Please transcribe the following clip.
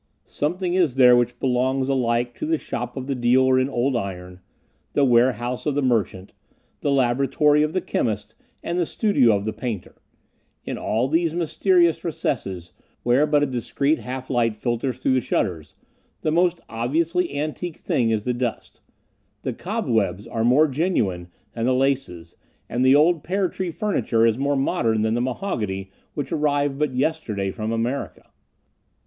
Something is there which belongs alike to the shop of the dealer in old iron, the warehouse of the merchant, the laboratory of the chemist, and the studio of the painter: in all these mysterious recesses, where but a discreet half light filters through the shutters, the most obviously antique thing is the dust: the cobwebs are more genuine than the laces, and the old pear tree furniture is more modern than the mahogany which arrived but yesterday from America.